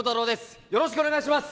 よろしくお願いします